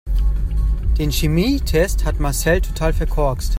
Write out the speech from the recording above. Den Chemietest hat Marcel total verkorkst.